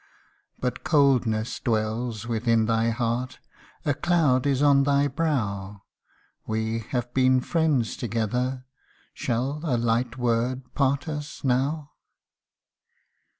But coldness dwells within thy heart, A cloud is on thy brow; We have been friends together Shall a light word part us now